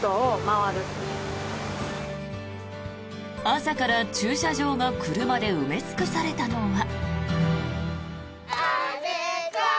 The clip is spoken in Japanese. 朝から駐車場が車で埋め尽くされたのは。